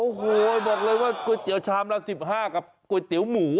โอ้โหบอกเลยว่าก๋วยเตี๋ยวชามละ๑๕กับก๋วยเตี๋ยวหมู